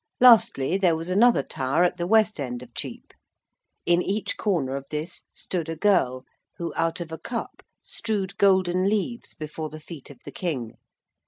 Lastly, there was another tower at the west end of Chepe. In each corner of this stood a girl, who out of a cup strewed golden leaves before the feet of the King.